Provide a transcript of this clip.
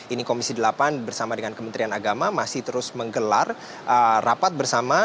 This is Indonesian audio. ini komisi delapan bersama dengan kementerian agama masih terus menggelar rapat bersama